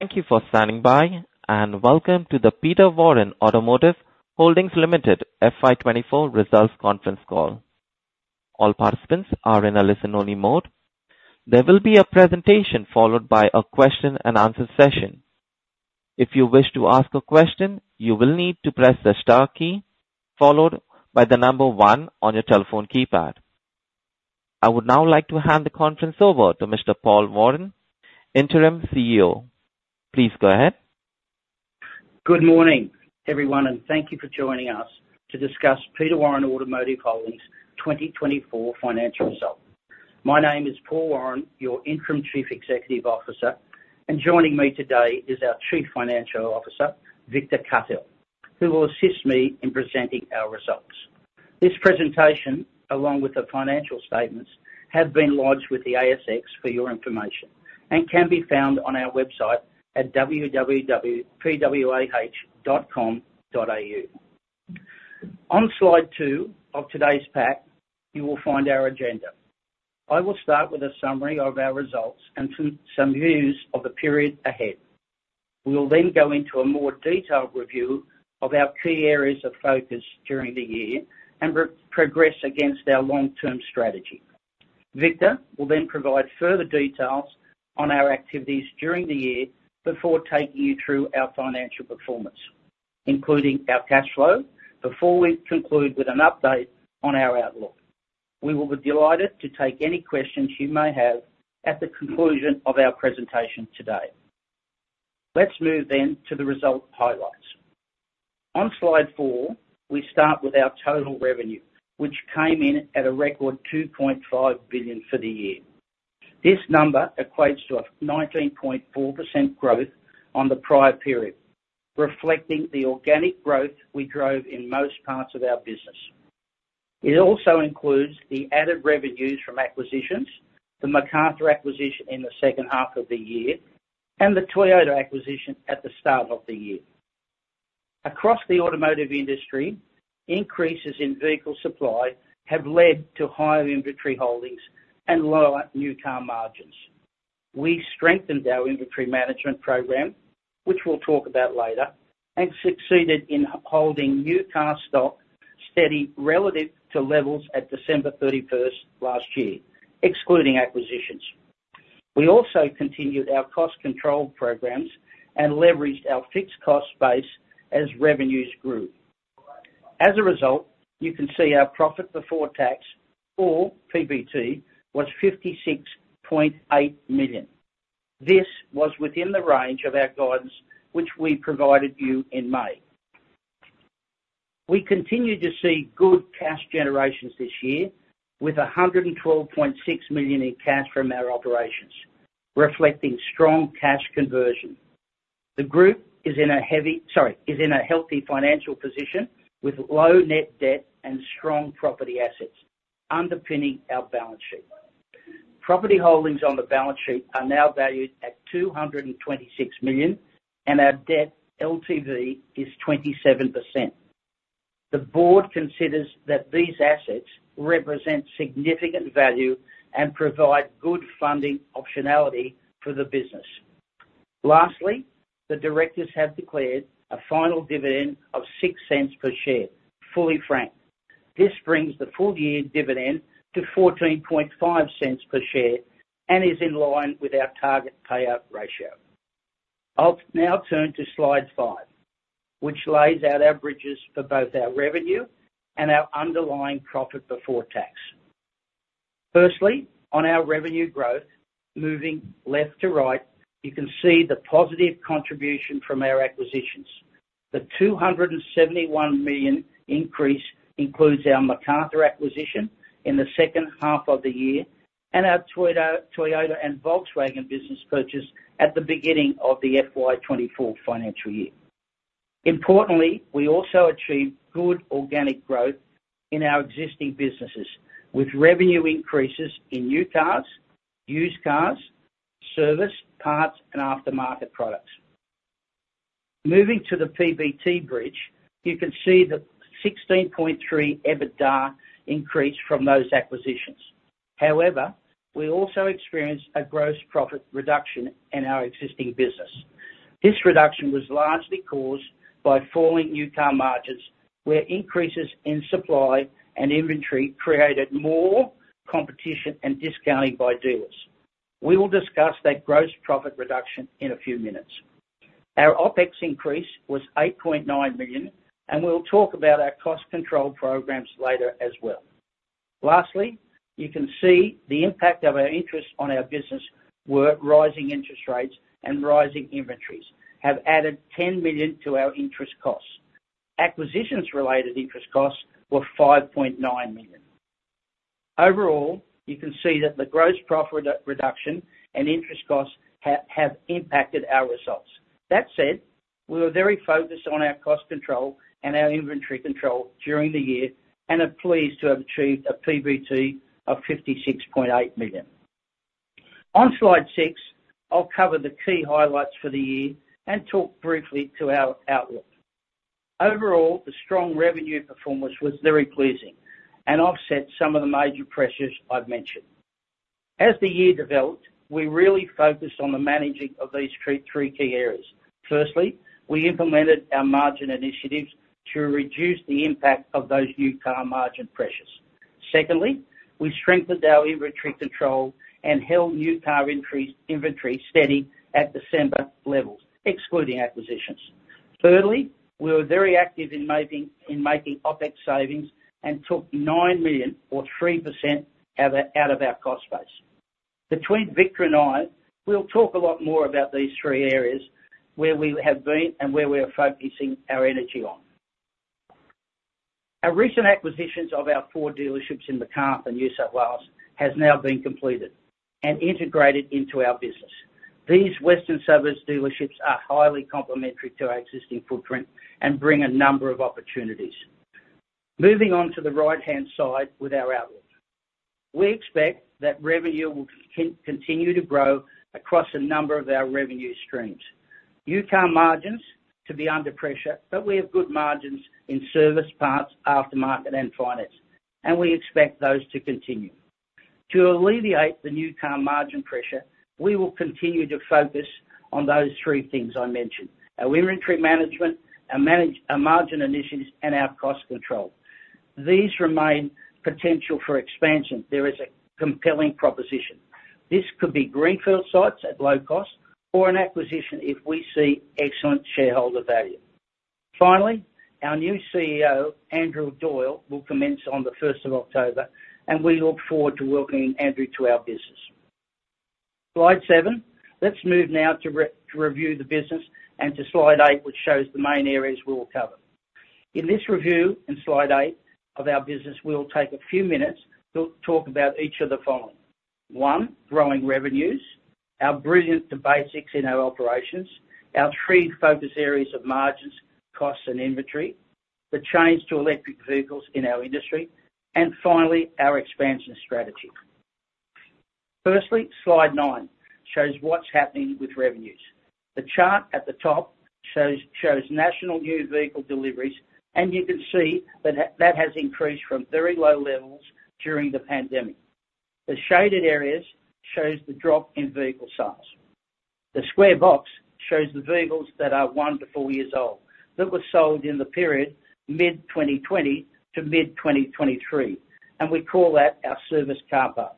Thank you for standing by, and welcome to the Peter Warren Automotive Holdings Limited FY 2024 results conference call. All participants are in a listen-only mode. There will be a presentation followed by a question-and-answer session. If you wish to ask a question, you will need to press the star key, followed by the number one on your telephone keypad. I would now like to hand the conference over to Mr. Paul Warren, Interim CEO. Please go ahead. Good morning, everyone, and thank you for joining us to discuss Peter Warren Automotive Holdings 2024 financial results. My name is Paul Warren, your Interim Chief Executive Officer, and joining me today is our Chief Financial Officer, Victor Cuthell, who will assist me in presenting our results. This presentation, along with the financial statements, have been lodged with the ASX for your information and can be found on our website at www.pwah.com.au. On slide two of today's pack, you will find our agenda. I will start with a summary of our results and some views of the period ahead. We will then go into a more detailed review of our key areas of focus during the year and progress against our long-term strategy. Victor will then provide further details on our activities during the year before taking you through our financial performance, including our cash flow, before we conclude with an update on our outlook. We will be delighted to take any questions you may have at the conclusion of our presentation today. Let's move then to the result highlights. On slide four, we start with our total revenue, which came in at a record 2.5 billion for the year. This number equates to a 19.4% growth on the prior period, reflecting the organic growth we drove in most parts of our business. It also includes the added revenues from acquisitions, the Macarthur acquisition in the second half of the year, and the Toyota acquisition at the start of the year. Across the automotive industry, increases in vehicle supply have led to higher inventory holdings and lower new car margins. We strengthened our inventory management program, which we'll talk about later, and succeeded in holding new car stock steady relative to levels at December 31st last year, excluding acquisitions. We also continued our cost control programs and leveraged our fixed cost base as revenues grew. As a result, you can see our profit before tax, or PBT, was 56.8 million. This was within the range of our guidance, which we provided you in May. We continued to see good cash generations this year, with 112.6 million in cash from our operations, reflecting strong cash conversion. The group is in a healthy financial position, with low net debt and strong property assets underpinning our balance sheet. Property holdings on the balance sheet are now valued at AUD 226 million, and our debt LTV is 27%. The board considers that these assets represent significant value and provide good funding optionality for the business. Lastly, the directors have declared a final dividend of 0.06 per share, fully franked. This brings the full-year dividend to 0.145 per share and is in line with our target payout ratio. I'll now turn to slide five, which lays out our bridges for both our revenue and our underlying profit before tax. Firstly, on our revenue growth, moving left to right, you can see the positive contribution from our acquisitions. The 271 million increase includes our Macarthur acquisition in the second half of the year and our Toyota, Toyota and Volkswagen business purchase at the beginning of the FY 2024 financial year. Importantly, we also achieved good organic growth in our existing businesses, with revenue increases in new cars, used cars, service, parts, and aftermarket products. Moving to the PBT bridge, you can see the 16.3 EBITDA increase from those acquisitions. However, we also experienced a gross profit reduction in our existing business. This reduction was largely caused by falling new car margins, where increases in supply and inventory created more competition and discounting by dealers. We will discuss that gross profit reduction in a few minutes. Our OpEx increase was 8.9 million, and we'll talk about our cost control programs later as well. Lastly, you can see the impact of our interest on our business, where rising interest rates and rising inventories have added 10 million to our interest costs. Acquisitions-related interest costs were 5.9 million. Overall, you can see that the gross profit reduction and interest costs have impacted our results. That said, we were very focused on our cost control and our inventory control during the year and are pleased to have achieved a PBT of 56.8 million. On slide six, I'll cover the key highlights for the year and talk briefly to our outlook. Overall, the strong revenue performance was very pleasing and offset some of the major pressures I've mentioned. As the year developed, we really focused on the managing of these three key areas. Firstly, we implemented our margin initiatives to reduce the impact of those new car margin pressures. Secondly, we strengthened our inventory control and held new car inventory steady at December levels, excluding acquisitions. Thirdly, we were very active in making OpEx savings and took 9 million, or 3%, out of our cost base. Between Victor and I, we'll talk a lot more about these three areas, where we have been and where we are focusing our energy on. Our recent acquisitions of our four dealerships in Macarthur, New South Wales, has now been completed and integrated into our business. These Western Suburbs dealerships are highly complementary to our existing footprint and bring a number of opportunities. Moving on to the right-hand side with our outlook. We expect that revenue will continue to grow across a number of our revenue streams. New car margins to be under pressure, but we have good margins in service, parts, aftermarket, and finance, and we expect those to continue. To alleviate the new car margin pressure, we will continue to focus on those three things I mentioned, our inventory management, our margin initiatives, and our cost control. These remain potential for expansion. There is a compelling proposition. This could be greenfield sites at low cost or an acquisition if we see excellent shareholder value. Finally, our new CEO, Andrew Doyle, will commence on the 1st October, and we look forward to welcoming Andrew to our business. Slide seven, let's move now to review the business, and to slide eight, which shows the main areas we'll cover. In this review, in slide eight of our business, we'll take a few minutes to talk about each of the following. One, growing revenues, our back to basics in our operations, our three focus areas of margins, costs, and inventory, the change to electric vehicles in our industry, and finally, our expansion strategy. Firstly, slide nine shows what's happening with revenues. The chart at the top shows national new vehicle deliveries, and you can see that that has increased from very low levels during the pandemic. The shaded areas shows the drop in vehicle sales. The square box shows the vehicles that are one to four years old, that were sold in the period mid-2020 to mid-2023, and we call that our service car park.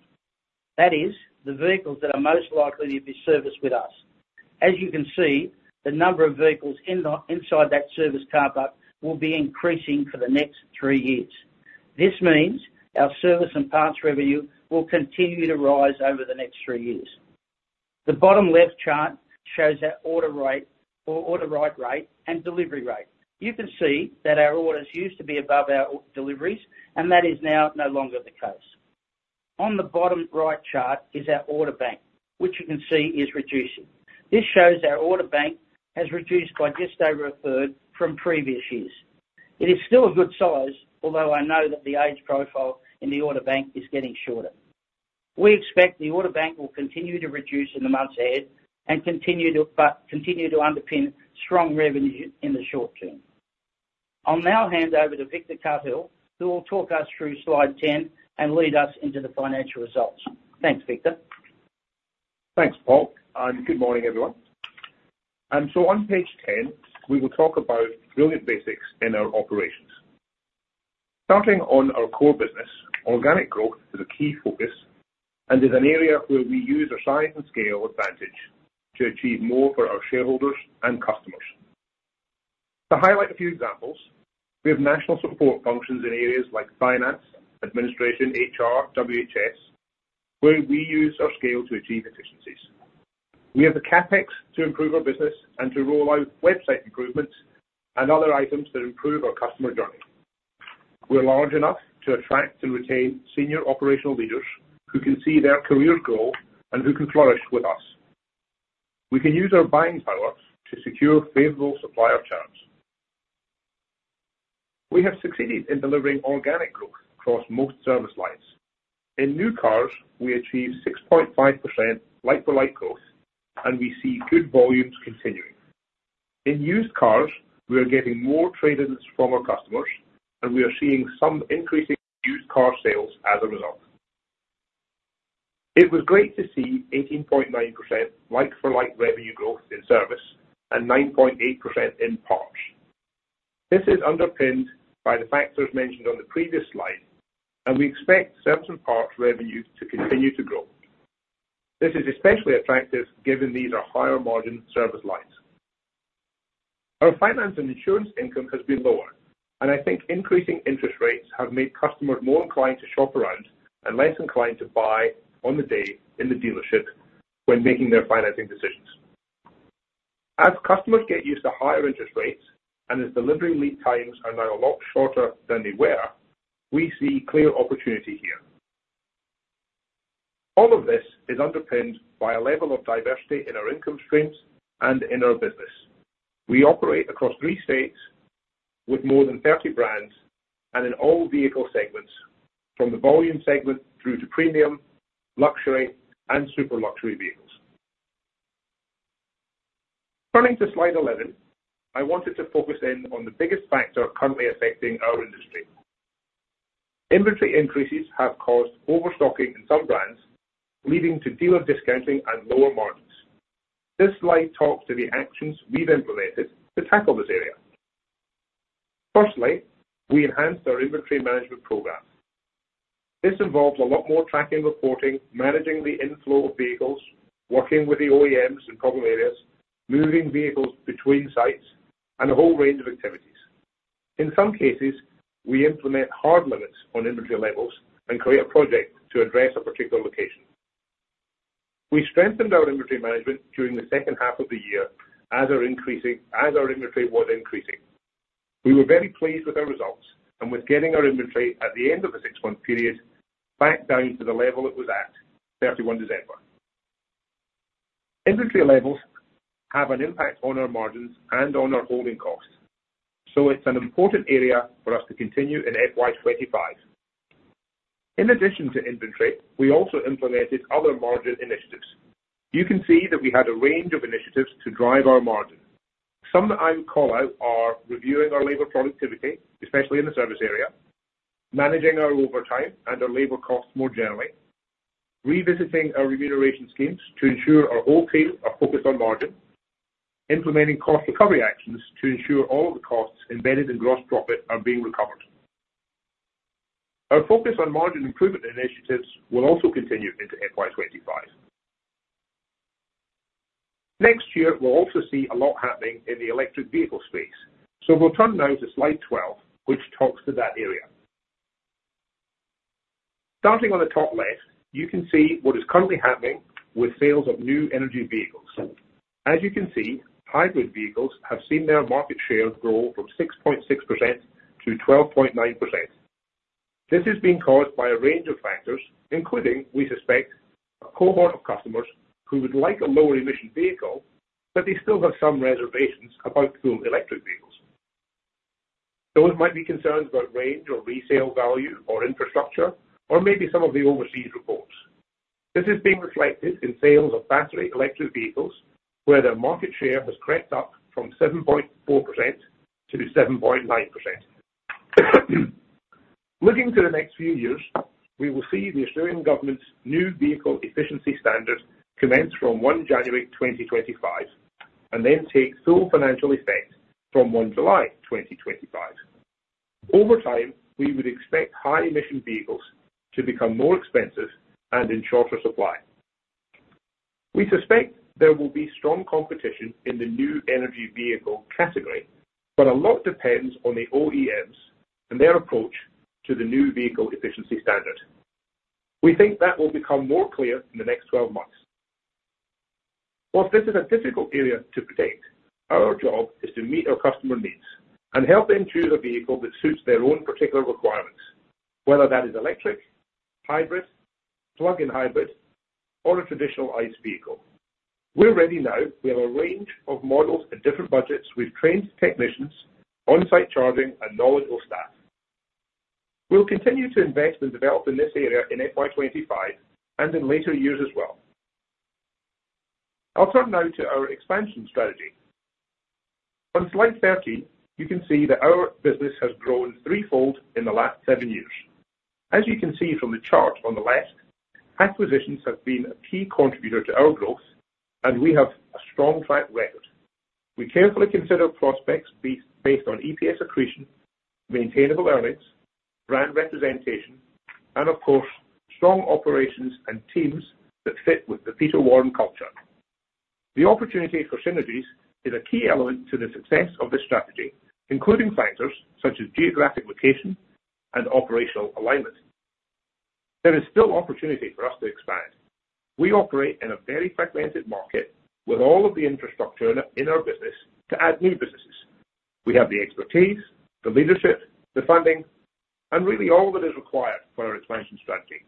That is, the vehicles that are most likely to be serviced with us. As you can see, the number of vehicles in the inside that service car park will be increasing for the next three years. This means our service and parts revenue will continue to rise over the next three years. The bottom left chart shows our order rate or order write rate and delivery rate. You can see that our orders used to be above our deliveries, and that is now no longer the case. On the bottom right chart is our order bank, which you can see is reducing. This shows our order bank has reduced by just over a third from previous years. It is still a good size, although I know that the age profile in the order bank is getting shorter. We expect the order bank will continue to reduce in the months ahead and continue to underpin strong revenue in the short term. I'll now hand over to Victor Cuthell, who will talk us through slide 10 and lead us into the financial results. Thanks, Victor. Thanks, Paul, and good morning, everyone. So on page ten, we will talk about building basics in our operations. Starting on our core business, organic growth is a key focus and is an area where we use our size and scale advantage to achieve more for our shareholders and customers. To highlight a few examples, we have national support functions in areas like finance, administration, HR, WHS, where we use our scale to achieve efficiencies. We have the CapEx to improve our business and to roll out website improvements and other items that improve our customer journey. We're large enough to attract and retain senior operational leaders who can see their career grow and who can flourish with us. We can use our buying power to secure favorable supplier terms. We have succeeded in delivering organic growth across most service lines. In new cars, we achieved 6.5% like-for-like growth, and we see good volumes continuing. In used cars, we are getting more trade-ins from our customers, and we are seeing some increasing used car sales as a result. It was great to see 18.9% like-for-like revenue growth in service and 9.8% in parts. This is underpinned by the factors mentioned on the previous slide, and we expect service and parts revenue to continue to grow. This is especially attractive given these are higher margin service lines. Our finance and insurance income has been lower, and I think increasing interest rates have made customers more inclined to shop around and less inclined to buy on the day in the dealership when making their financing decisions. As customers get used to higher interest rates and as delivery lead times are now a lot shorter than they were, we see clear opportunity here. All of this is underpinned by a level of diversity in our income streams and in our business. We operate across three states with more than 30 brands and in all vehicle segments, from the volume segment through to premium, luxury, and super luxury vehicles... Turning to slide 11, I wanted to focus in on the biggest factor currently affecting our industry. Inventory increases have caused overstocking in some brands, leading to dealer discounting and lower margins. This slide talks to the actions we've implemented to tackle this area. Firstly, we enhanced our inventory management program. This involves a lot more tracking, reporting, managing the inflow of vehicles, working with the OEMs in problem areas, moving vehicles between sites, and a whole range of activities. In some cases, we implement hard limits on inventory levels and create a project to address a particular location. We strengthened our inventory management during the second half of the year as our inventory was increasing. We were very pleased with our results and with getting our inventory at the end of the six-month period, back down to the level it was at thirty-one December. Inventory levels have an impact on our margins and on our holding costs, so it's an important area for us to continue in FY 2025. In addition to inventory, we also implemented other margin initiatives. You can see that we had a range of initiatives to drive our margin. Some that I would call out are reviewing our labor productivity, especially in the service area, managing our overtime and our labor costs more generally, revisiting our remuneration schemes to ensure our whole team are focused on margin, implementing cost recovery actions to ensure all of the costs embedded in gross profit are being recovered. Our focus on margin improvement initiatives will also continue into FY 2025. Next year, we'll also see a lot happening in the electric vehicle space. So we'll turn now to slide 12, which talks to that area. Starting on the top left, you can see what is currently happening with sales of new energy vehicles. As you can see, hybrid vehicles have seen their market share grow from 6.6%-2.9%. This has been caused by a range of factors, including, we suspect, a cohort of customers who would like a lower emission vehicle, but they still have some reservations about full electric vehicles. Those might be concerns about range, or resale value, or infrastructure, or maybe some of the overseas reports. This is being reflected in sales of battery electric vehicles, where their market share has crept up from 7.4%-7.9%. Looking to the next few years, we will see the Australian Government's New Vehicle Efficiency Standards commence from 1 January 2025, and then take full financial effect from 1 July 2025. Over time, we would expect high emission vehicles to become more expensive and in shorter supply. We suspect there will be strong competition in the new energy vehicle category, but a lot depends on the OEMs and their approach to the New Vehicle Efficiency Standards. We think that will become more clear in the next twelve months. Whilst this is a difficult area to predict, our job is to meet our customer needs and help them choose a vehicle that suits their own particular requirements, whether that is electric, hybrid, plug-in hybrid, or a traditional ICE vehicle. We're ready now. We have a range of models at different budgets. We've trained technicians, on-site charging, and knowledgeable staff. We'll continue to invest and develop in this area in FY 2025 and in later years as well. I'll turn now to our expansion strategy. On slide thirteen, you can see that our business has grown threefold in the last seven years. As you can see from the chart on the left, acquisitions have been a key contributor to our growth, and we have a strong track record. We carefully consider prospects based on EPS accretion, maintainable earnings, brand representation, and of course, strong operations and teams that fit with the Peter Warren culture. The opportunity for synergies is a key element to the success of this strategy, including factors such as geographic location and operational alignment. There is still opportunity for us to expand. We operate in a very fragmented market with all of the infrastructure in our business to add new businesses. We have the expertise, the leadership, the funding, and really all that is required for our expansion strategy.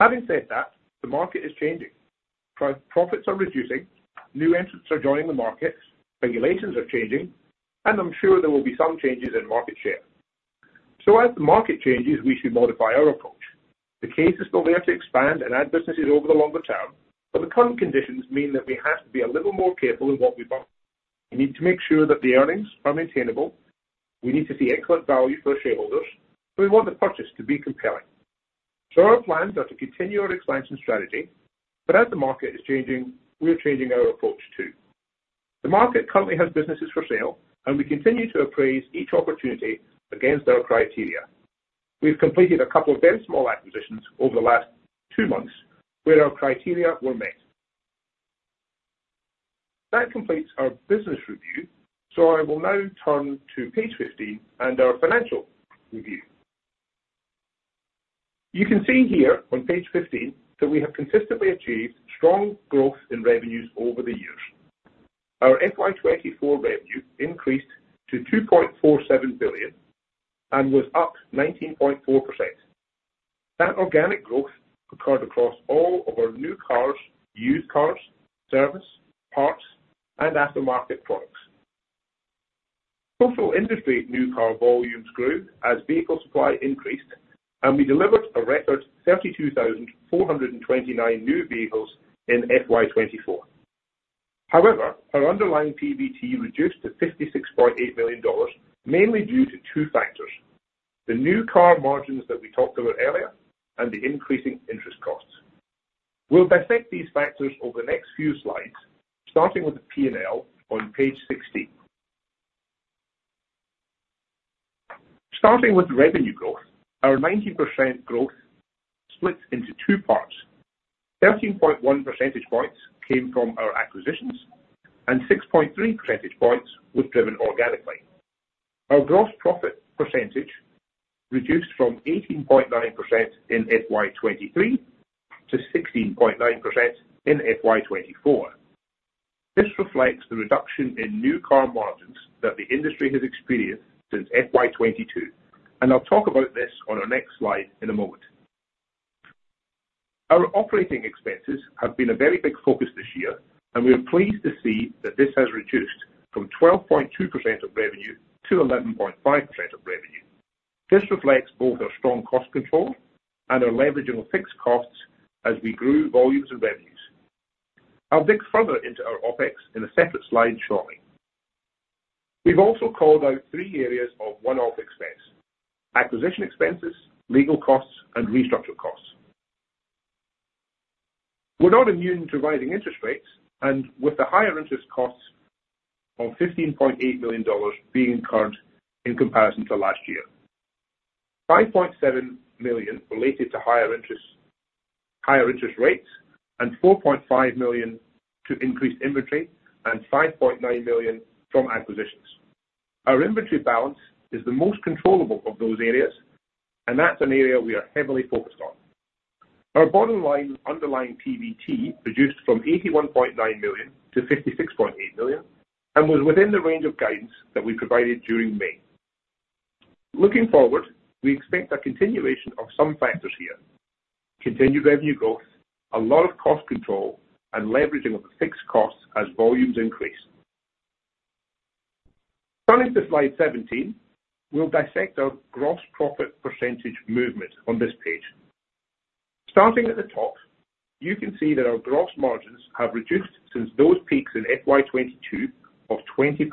Having said that, the market is changing. Profits are reducing, new entrants are joining the market, regulations are changing, and I'm sure there will be some changes in market share. So as the market changes, we should modify our approach. The case is still there to expand and add businesses over the longer term, but the current conditions mean that we have to be a little more careful in what we buy. We need to make sure that the earnings are maintainable, we need to see excellent value for our shareholders, so we want the purchase to be compelling. So our plans are to continue our expansion strategy, but as the market is changing, we are changing our approach, too. The market currently has businesses for sale, and we continue to appraise each opportunity against our criteria. We've completed a couple of very small acquisitions over the last two months where our criteria were met. That completes our business review, so I will now turn to page 15 and our financial review. You can see here on page 15, that we have consistently achieved strong growth in revenues over the years. Our FY 2024 revenue increased to 2.47 billion and was up 19.4%. That organic growth occurred across all of our new cars, used cars, service, parts, and aftermarket products. Total industry new car volumes grew as vehicle supply increased, and we delivered a record 32,429 new vehicles in FY 2024. However, our underlying PBT reduced to 56.8 million dollars, mainly due to two factors: the new car margins that we talked about earlier and the increasing interest costs. We'll dissect these factors over the next few slides, starting with the P&L on page 16. Starting with revenue growth, our 90% growth splits into two parts. 13.1 percentage points came from our acquisitions, and 6.3 percentage points were driven organically. Our gross profit percentage reduced from 18.9% in FY 2023 to 16.9% in FY 2024. This reflects the reduction in new car margins that the industry has experienced since FY 2022, and I'll talk about this on our next slide in a moment. Our operating expenses have been a very big focus this year, and we are pleased to see that this has reduced from 12.2% of revenue to 11.5% of revenue. This reflects both our strong cost control and our leveraging of fixed costs as we grew volumes and revenues. I'll dig further into our OpEx in a separate slide shortly. We've also called out three areas of one-off expense: acquisition expenses, legal costs, and restructure costs. We're not immune to rising interest rates, and with the higher interest costs of 15.8 million dollars being incurred in comparison to last year. 5.7 million related to higher interest, higher interest rates, and 4.5 million to increased inventory, and 5.9 million from acquisitions. Our inventory balance is the most controllable of those areas, and that's an area we are heavily focused on. Our bottom line, underlying PBT, reduced from 81.9 million-56.8 million and was within the range of guidance that we provided during May. Looking forward, we expect a continuation of some factors here, continued revenue growth, a lot of cost control, and leveraging of the fixed costs as volumes increase. Turning to slide 17, we'll dissect our gross profit percentage movement on this page. Starting at the top, you can see that our gross margins have reduced since those peaks in FY 2022 of 20%.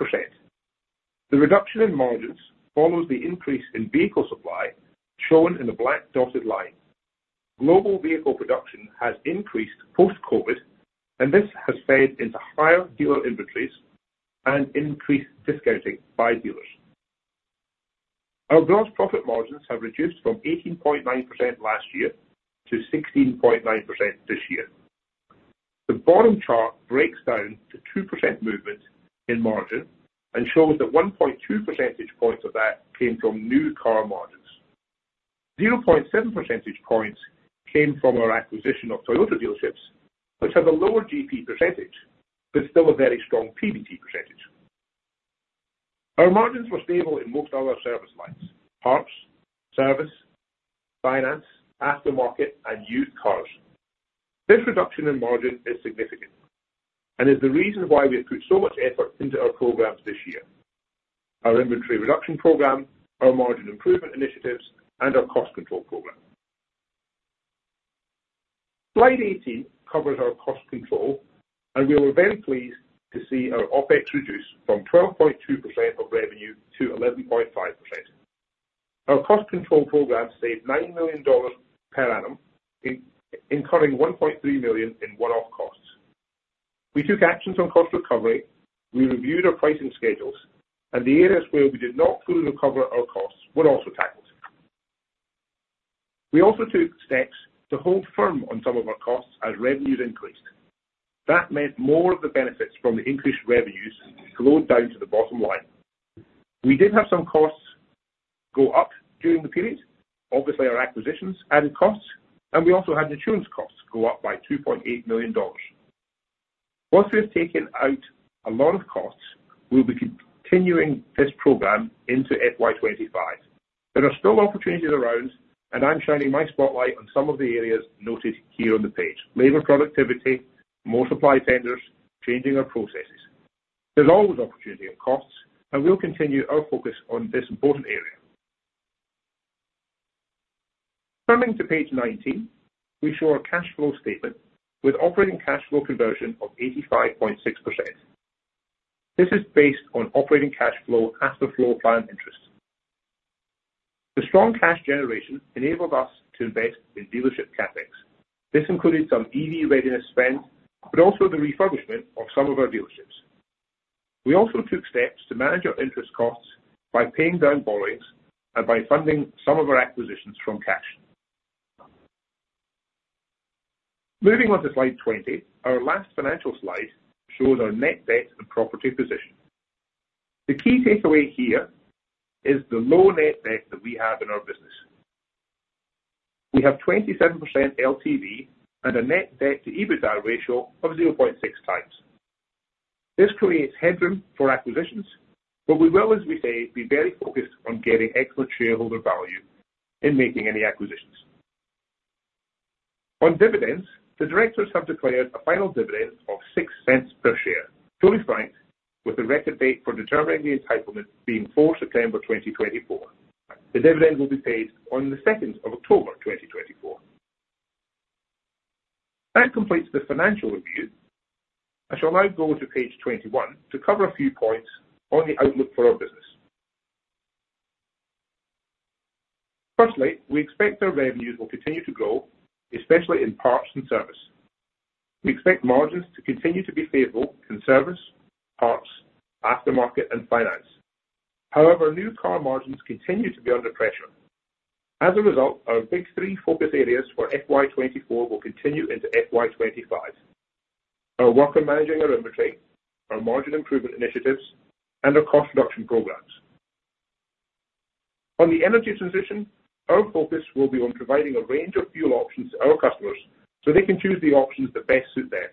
The reduction in margins follows the increase in vehicle supply, shown in the black dotted line. Global vehicle production has increased post-COVID, and this has fed into higher dealer inventories and increased discounting by dealers. Our gross profit margins have reduced from 18.9% last year to 16.9% this year. The bottom chart breaks down the 2% movement in margin and shows that 1.2 percentage points of that came from new car margins. 0.7 percentage points came from our acquisition of Toyota dealerships, which have a lower GP percentage, but still a very strong PBT percentage. Our margins were stable in most other service lines, parts, service, finance, aftermarket, and used cars. This reduction in margin is significant and is the reason why we have put so much effort into our programs this year: our inventory reduction program, our margin improvement initiatives, and our cost control program. Slide 18 covers our cost control, and we were very pleased to see our OpEx reduce from 12.2% of revenue to 11.5%. Our cost control program saved 9 million dollars per annum, incurring 1.3 million in one-off costs. We took actions on cost recovery, we reviewed our pricing schedules, and the areas where we did not fully recover our costs were also tackled. We also took steps to hold firm on some of our costs as revenues increased. That meant more of the benefits from the increased revenues flowed down to the bottom line. We did have some costs go up during the period. Obviously, our acquisitions added costs, and we also had insurance costs go up by 2.8 million dollars. Once we've taken out a lot of costs, we'll be continuing this program into FY 2025. There are still opportunities around, and I'm shining my spotlight on some of the areas noted here on the page: labor productivity, more supply tenders, changing our processes. There's always opportunity on costs, and we'll continue our focus on this important area. Turning to page 19, we show our cash flow statement with operating cash flow conversion of 85.6%. This is based on operating cash flow as the floor plan interest. The strong cash generation enabled us to invest in dealership CapEx. This included some EV readiness spend, but also the refurbishment of some of our dealerships. We also took steps to manage our interest costs by paying down borrowings and by funding some of our acquisitions from cash. Moving on to slide 20, our last financial slide shows our net debt and property position. The key takeaway here is the low net debt that we have in our business. We have 27% LTV and a net debt to EBITDA ratio of 0.6x. This creates headroom for acquisitions, but we will, as we say, be very focused on getting excellent shareholder value in making any acquisitions. On dividends, the directors have declared a final dividend of 0.06 per share, fully franked, with the record date for determining the entitlement being 4 September 2024. The dividend will be paid on 2 October 2024. That completes the financial review. I shall now go to page 21 to cover a few points on the outlook for our business. Firstly, we expect our revenues will continue to grow, especially in parts and service. We expect margins to continue to be favorable in service, parts, aftermarket, and finance. However, new car margins continue to be under pressure. As a result, our big three focus areas for FY 2024 will continue into FY 2025: our work on managing our inventory, our margin improvement initiatives, and our cost reduction programs. On the energy transition, our focus will be on providing a range of fuel options to our customers, so they can choose the options that best suit them.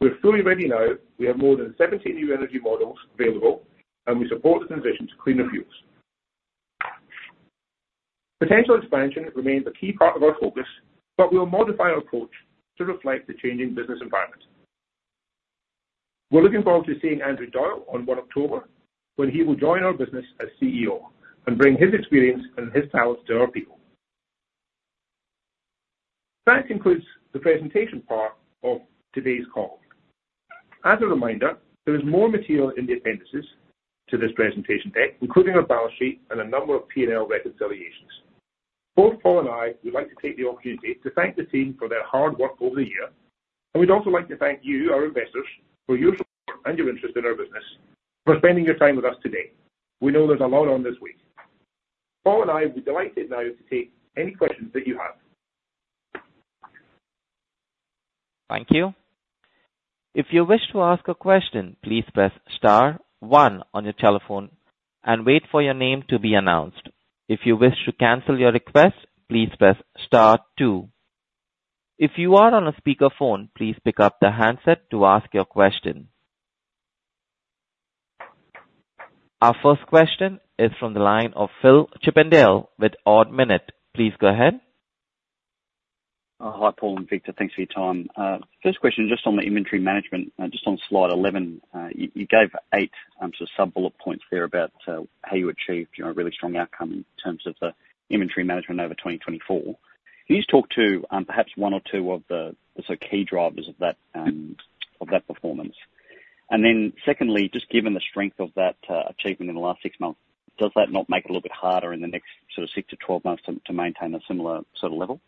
We're fully ready now. We have more than 17 new energy models available, and we support the transition to cleaner fuels. Potential expansion remains a key part of our focus, but we'll modify our approach to reflect the changing business environment. We're looking forward to seeing Andrew Doyle on 1 October, when he will join our business as CEO and bring his experience and his talents to our people. That concludes the presentation part of today's call. As a reminder, there is more material in the appendices to this presentation deck, including our balance sheet and a number of P&L reconciliations. Both Paul and I would like to take the opportunity to thank the team for their hard work over the year, and we'd also like to thank you, our investors, for your support and your interest in our business, for spending your time with us today. We know there's a lot on this week. Paul and I will be delighted now to take any questions that you have. Thank you. If you wish to ask a question, please press star one on your telephone and wait for your name to be announced. If you wish to cancel your request, please press star two. If you are on a speakerphone, please pick up the handset to ask your question. Our first question is from the line of Phil Chippendale with Ord Minnett. Please go ahead. Hi, Paul and Victor. Thanks for your time. First question, just on the inventory management, just on slide 11, you gave eight sort of sub-bullet points there about how you achieved, you know, a really strong outcome in terms of the inventory management over 2024. Can you just talk to, perhaps one or two of the sort of key drivers of that, of that performance? And then secondly, just given the strength of that, achievement in the last six months, does that not make it a little bit harder in the next sort of six to 12 months to maintain a similar sort of level?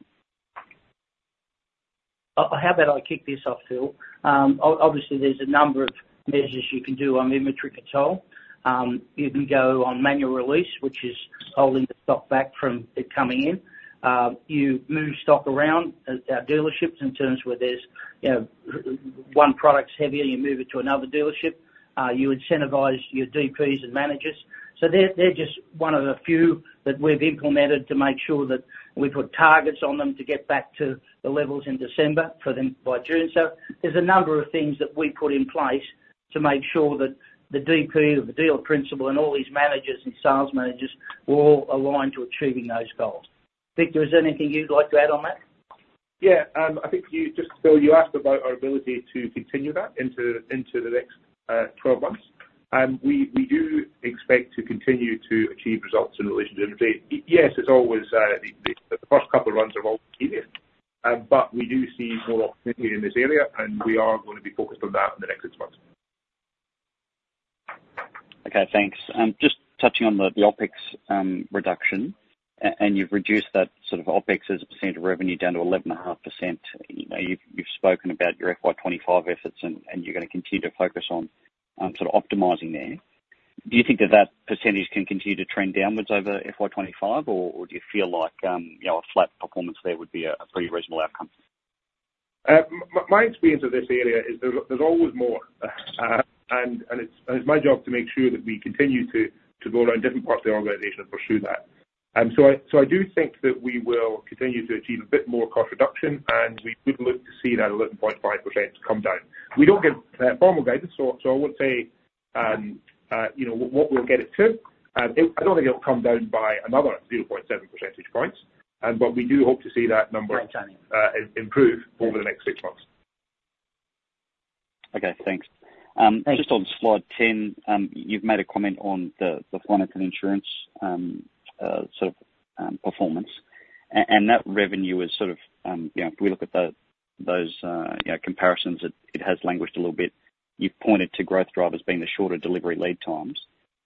How about I kick this off, Phil? Obviously, there's a number of measures you can do on inventory control. You can go on manual release, which is holding the stock back from it coming in. You move stock around at dealerships in terms where there's, you know, one product's heavier, you move it to another dealership. You incentivize your DPs and managers. So they're just one of the few that we've implemented to make sure that we put targets on them to get back to the levels in December for them by June. So there's a number of things that we've put in place to make sure that the DP, or the Dealer Principal, and all these managers and sales managers are all aligned to achieving those goals. Victor, is there anything you'd like to add on that? Yeah. I think you just... Phil, you asked about our ability to continue that into the next twelve months. We do expect to continue to achieve results in relation to inventory. Yes, it's always the first couple of runs are always the easiest. But we do see more opportunity in this area, and we are going to be focused on that in the next six months. Okay, thanks. Just touching on the OpEx reduction, and you've reduced that sort of OpEx as a percent of revenue down to 11.5%. You know, you've spoken about your FY 2025 efforts, and you're gonna continue to focus on sort of optimizing there. Do you think that percentage can continue to trend downwards over FY 2025? Or do you feel like you know, a flat performance there would be a pretty reasonable outcome? My experience of this area is there's always more. It's my job to make sure that we continue to go around different parts of the organization and pursue that. I do think that we will continue to achieve a bit more cost reduction, and we would look to see that 11.5% come down. We don't give formal guidance, so I won't say, you know, what we'll get it to. I don't think it'll come down by another 0.7 percentage points, but we do hope to see that number- Yeah. Improve over the next six months. Okay, thanks. Thanks. Just on slide 10, you've made a comment on the finance and insurance sort of performance. And that revenue is sort of, you know, if we look at those comparisons, it has languished a little bit. You've pointed to growth drivers being the shorter delivery lead times.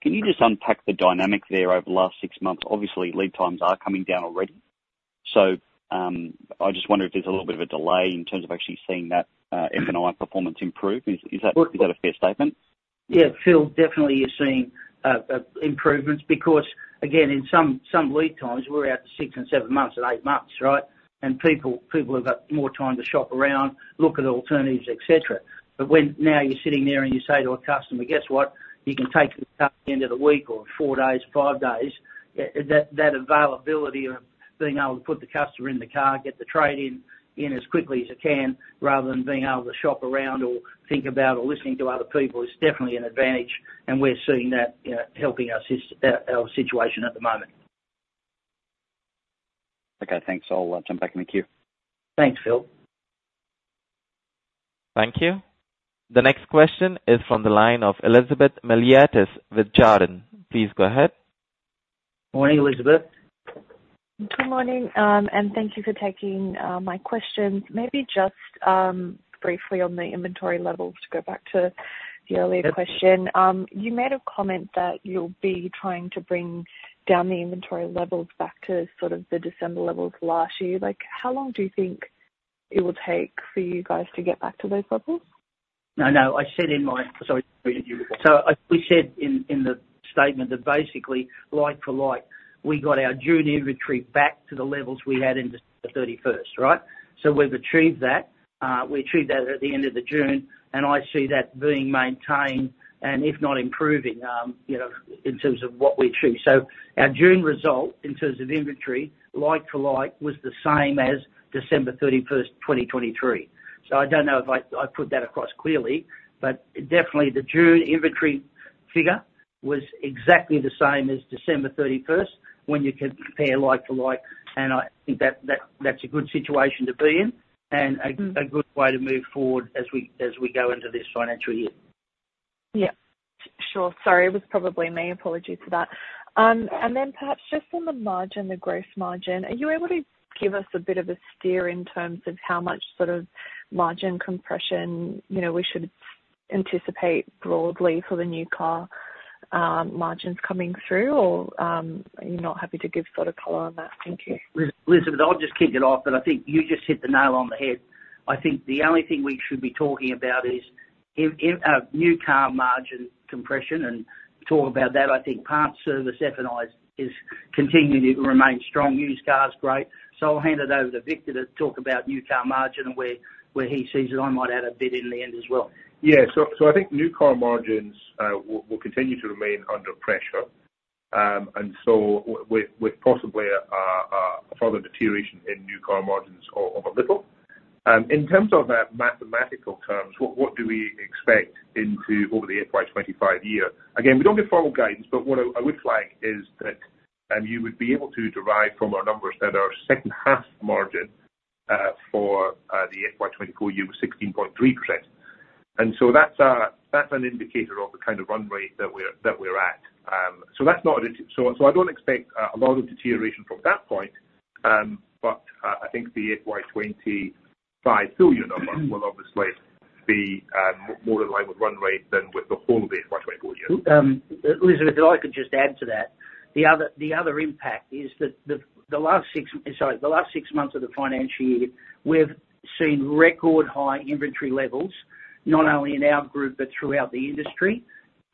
Can you just unpack the dynamic there over the last six months? Obviously, lead times are coming down already. So, I just wonder if there's a little bit of a delay in terms of actually seeing that F&I performance improve. Is that- Well- is that a fair statement? Yeah, Phil, definitely you're seeing improvements because, again, in some lead times, we're out to six and seven months and eight months, right? and people have got more time to shop around, look at alternatives, et cetera, but when now you're sitting there and you say to a customer, "Guess what? You can take the car at the end of the week or four days, five days," that availability of being able to put the customer in the car, get the trade in as quickly as you can, rather than being able to shop around or think about or listening to other people, is definitely an advantage, and we're seeing that helping us, our situation at the moment. Okay, thanks. I'll jump back in the queue. Thanks, Phil. Thank you. The next question is from the line of Elizabeth Miliatis with Jarden. Please go ahead. Morning, Elizabeth. Good morning, and thank you for taking my question. Maybe just briefly on the inventory levels, to go back to the earlier question. You made a comment that you'll be trying to bring down the inventory levels back to sort of the December levels last year. Like, how long do you think it will take for you guys to get back to those levels? No, no, I said in my - sorry, so we said in the statement that basically like for like, we got our June inventory back to the levels we had in the thirty-first, right? So we've achieved that. We achieved that at the end of the June, and I see that being maintained and if not improving, you know, in terms of what we achieved. So our June result, in terms of inventory, like for like, was the same as December 21st, 2023. So I don't know if I put that across clearly, but definitely the June inventory figure was exactly the same as December 31st, when you compare like to like, and I think that that's a good situation to be in and a- Mm-hmm. A good way to move forward as we go into this financial year. Yeah, sure. Sorry, it was probably me. Apologies for that. And then perhaps just on the margin, the gross margin, are you able to give us a bit of a steer in terms of how much sort of margin compression, you know, we should anticipate broadly for the new car, margins coming through? Or, are you not happy to give sort of color on that? Thank you. Elizabeth, I'll just kick it off, but I think you just hit the nail on the head. I think the only thing we should be talking about is if a new car margin compression and talk about that. I think parts service F&I is continuing to remain strong. Used cars, great. So I'll hand it over to Victor to talk about new car margin and where he sees it. I might add a bit in the end as well. Yeah. So I think new car margins will continue to remain under pressure. And so with possibly a further deterioration in new car margins of a little. In terms of the mathematical terms, what do we expect into over the FY 2025 year? Again, we don't give formal guidance, but what I would flag is that, and you would be able to derive from our numbers, that our second half margin for the FY 2024 year was 16.3%. And so that's an indicator of the kind of run rate that we're at. So that's not a. So I don't expect a lot of deterioration from that point. But I think the FY 2025 full year number will obviously be more in line with run rate than with the whole of the FY 2024 year. Elizabeth, if I could just add to that. The other impact is that the last six months of the financial year, we've seen record high inventory levels, not only in our group, but throughout the industry,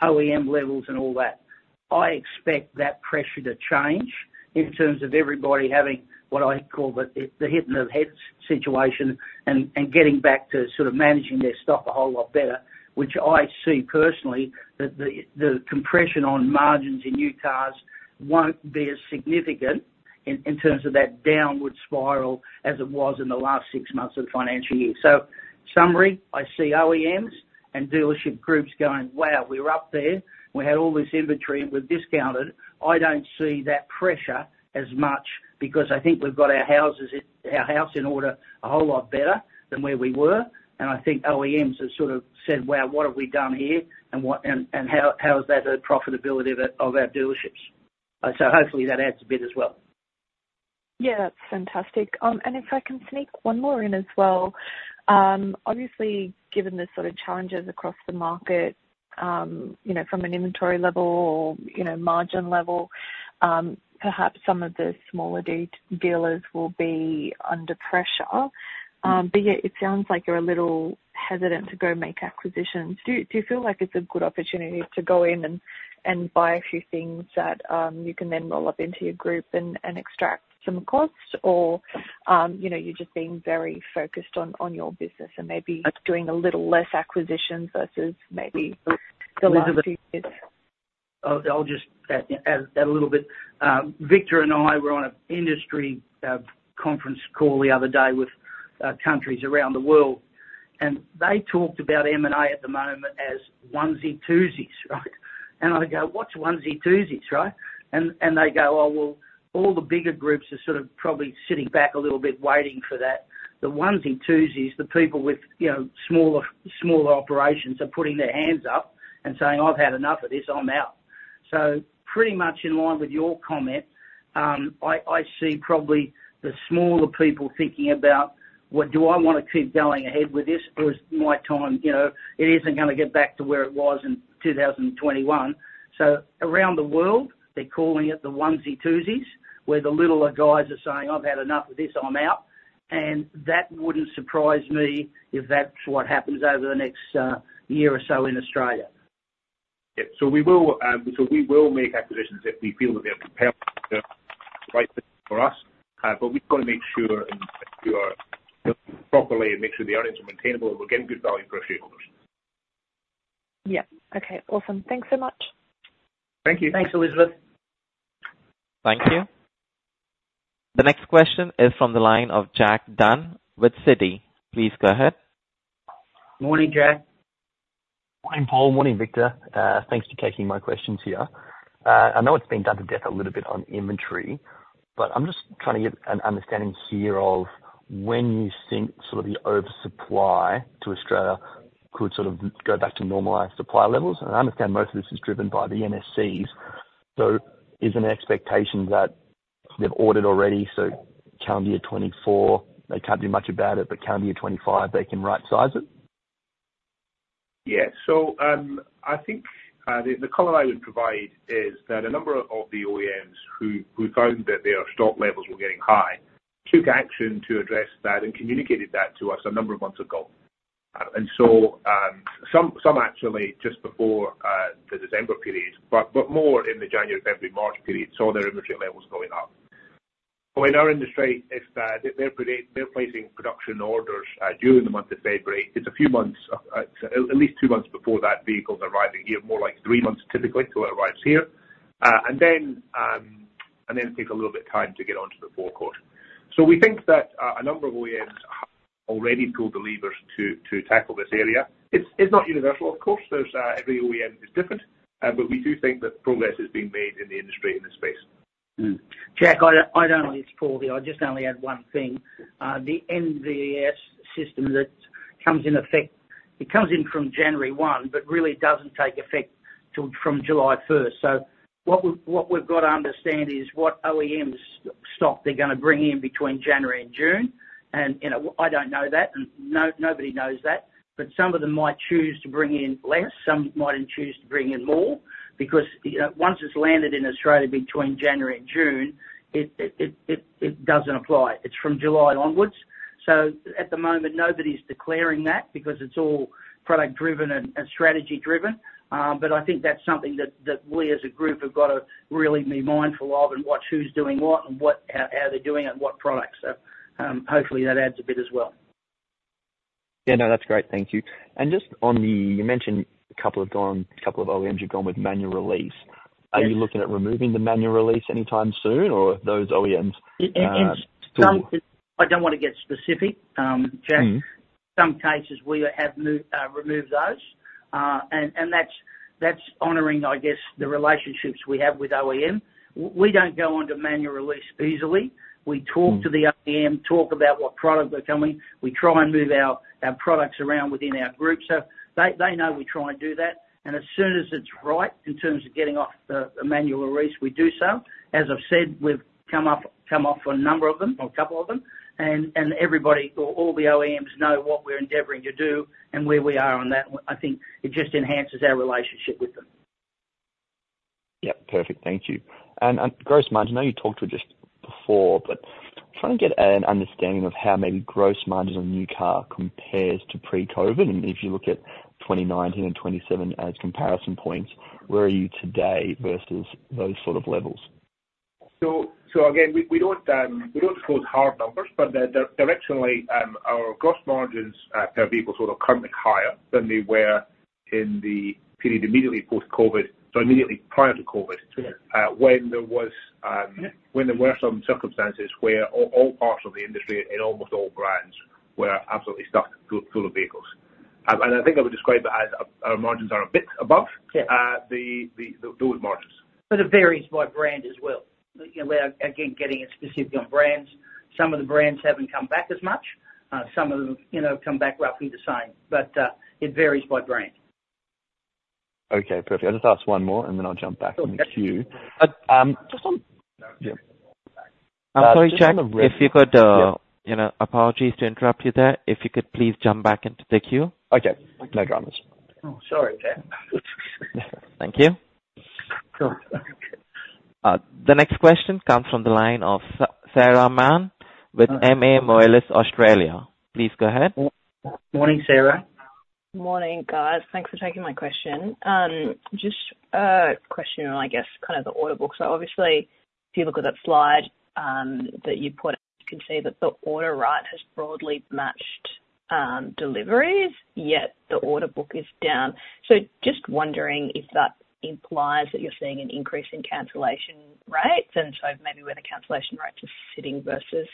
OEM levels and all that. I expect that pressure to change in terms of everybody having what I call the hitting of heads situation and getting back to sort of managing their stock a whole lot better, which I see personally, that the compression on margins in new cars won't be as significant in terms of that downward spiral as it was in the last six months of the financial year. So summary, I see OEMs and dealership groups going, "Wow, we're up there. We had all this inventory, and we've discounted. I don't see that pressure as much because I think we've got our house in order a whole lot better than where we were. And I think OEMs have sort of said, "Wow, what have we done here? And what, and how is that profitability of it, of our dealerships?" So hopefully that adds a bit as well. Yeah, that's fantastic, and if I can sneak one more in as well. Obviously, given the sort of challenges across the market, you know, from an inventory level or, you know, margin level, perhaps some of the smaller dealers will be under pressure, but yet, it sounds like you're a little hesitant to go make acquisitions. Do you feel like it's a good opportunity to go in and buy a few things that you can then roll up into your group and extract some costs, or you know, you're just being very focused on your business and maybe doing a little less acquisition versus maybe the last few years? Elizabeth, I'll just add a little bit. Victor and I were on an industry conference call the other day with countries around the world, and they talked about M&A at the moment as onesie twosies, right? And I go: What's onesie twosies, right? And they go, "Oh, well, all the bigger groups are sort of probably sitting back a little bit, waiting for that." The onesie twosies, the people with, you know, smaller operations, are putting their hands up and saying, "I've had enough of this, I'm out." So pretty much in line with your comment, I see probably the smaller people thinking about, "Well, do I want to keep going ahead with this, or is my time... You know, it isn't gonna get back to where it was in 2021, so around the world, they're calling it the onesie twosies, where the littler guys are saying, "I've had enough of this, I'm out," and that wouldn't surprise me if that's what happens over the next year or so in Australia. Yeah. So we will make acquisitions if we feel that they're compelling, right fit for us. But we've got to make sure we are building properly and make sure the earnings are maintainable, and we're getting good value for our shareholders. Yeah. Okay, awesome. Thanks so much. Thank you. Thanks, Elizabeth. Thank you. The next question is from the line of Jack Dunn with Citi. Please go ahead. Morning, Jack. Morning, Paul. Morning, Victor. Thanks for taking my questions here. I know it's been done to death a little bit on inventory, but I'm just trying to get an understanding here of when you think sort of the oversupply to Australia could sort of go back to normalized supply levels. And I understand most of this is driven by the OEMs. So is an expectation that they've ordered already, so calendar year 2024, they can't do much about it, but calendar year 2025, they can rightsize it? Yeah. So, I think the color I would provide is that a number of the OEMs who found that their stock levels were getting high took action to address that and communicated that to us a number of months ago. And so, some actually just before the December period, but more in the January, February, March period, saw their inventory levels going up. Well, in our industry, if they're placing production orders during the month of February, it's a few months, at least two months before that vehicle's arriving here, more like three months typically, till it arrives here. And then it takes a little bit of time to get onto the forecourt. So we think that a number of OEMs have already pulled the levers to tackle this area. It's not universal, of course. There's every OEM is different, but we do think that progress is being made in the industry in this space. Jack, I don't want to steal Paul here, I just want to add one thing. The NVES system that comes in effect, it comes in from January one, but really doesn't take effect till from July first. So what we've got to understand is what OEMs stock they're gonna bring in between January and June. And you know, I don't know that, and nobody knows that, but some of them might choose to bring in less, some might even choose to bring in more. Because you know, once it's landed in Australia between January and June, it doesn't apply. It's from July onwards. So at the moment, nobody's declaring that, because it's all product driven and strategy driven. But I think that's something that we as a group have got to really be mindful of and watch who's doing what and how they're doing it and what products. So, hopefully that adds a bit as well. Yeah, no, that's great. Thank you. And just on the... You mentioned a couple have gone, couple of OEMs you've gone with manual release. Yes. Are you looking at removing the manual release anytime soon, or are those OEMs still- In some, I don't want to get specific, Jack. Mm-hmm. Some cases we have removed those, and that's honoring, I guess, the relationships we have with OEM. We don't go onto manual release easily. Mm. We talk to the OEM, talk about what products are coming. We try and move our products around within our group. So they know we try and do that, and as soon as it's right, in terms of getting off the manual release, we do so. As I've said, we've come off a number of them, or a couple of them, and everybody, or all the OEMs know what we're endeavoring to do and where we are on that one. I think it just enhances our relationship with them. Yep. Perfect. Thank you. And, gross margin, I know you talked about this before, but trying to get an understanding of how maybe gross margins on a new car compares to pre-COVID. And if you look at 2019 and 2027 as comparison points, where are you today versus those sort of levels? So again, we don't quote hard numbers, but directionally, our gross margins per vehicle sort of currently higher than they were in the period immediately post-COVID, so immediately prior to COVID- Yeah when there were some circumstances where all parts of the industry and almost all brands were absolutely stuffed full of vehicles, and I think I would describe it as our margins are a bit above- Yeah the those margins. But it varies by brand as well. You know, we're again, getting specific on brands. Some of the brands haven't come back as much, some of them, you know, have come back roughly the same, but it varies by brand. Okay, perfect. I'll just ask one more, and then I'll jump back in the queue. Okay. Just on- Yeah. I'm sorry, Jack, if you could. You know, apologies to interrupt you there. If you could please jump back into the queue. Okay, no dramas. Sorry, Jack. Thank you. Sure. The next question comes from the line of Sarah Mann with MA Moelis Australia. Please go ahead. Morning, Sarah. Morning, guys. Thanks for taking my question. Just a question on, I guess, kind of the order book. So obviously, if you look at that slide that you put, you can see that the order, right, has broadly matched deliveries, yet the order book is down. So just wondering if that implies that you're seeing an increase in cancellation rates, and so maybe where the cancellation rate is sitting versus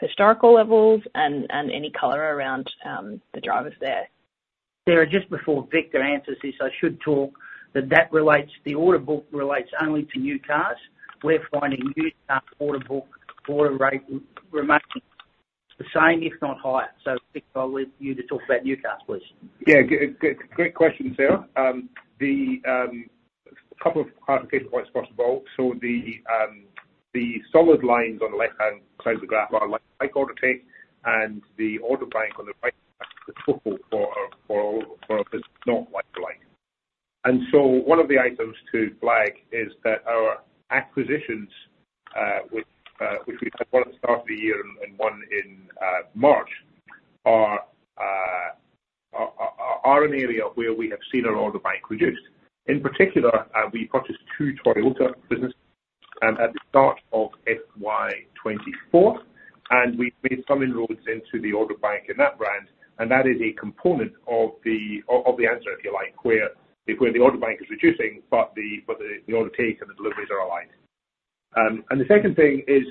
historical levels and any color around the drivers there. Sarah, just before Victor answers this, I should talk that that relates—the order book relates only to new cars. We're finding new car order book, order rate remaining the same, if not higher. So Victor, I'll leave you to talk about new cars, please. Yeah, great question, Sarah. A couple of clarification points, first of all. So the solid lines on the left-hand side of the graph are like order take, and the order bank on the right, the total for not like to like. And so one of the items to flag is that our acquisitions, which we had one at the start of the year and 1 March, are an area where we have seen our order bank reduced. In particular, we purchased two Toyota businesses at the start of FY 2024, and we made some inroads into the order bank in that brand, and that is a component of the answer, if you like, where the order bank is reducing, but the order take and the deliveries are aligned, and the second thing is